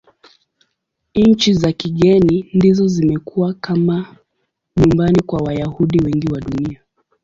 Nchi za kigeni ndizo zimekuwa kama nyumbani kwa Wayahudi wengi wa Dunia.